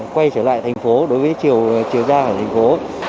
quay trở lại thành phố đối với chiều ra cả thành phố